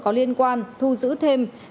có liên quan thu giữ thêm